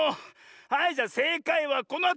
はいじゃせいかいはこのあと！